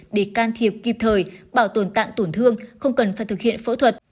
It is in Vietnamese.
để can thiệp kịp thời bảo tồn tạng tổn thương không cần phải thực hiện phẫu thuật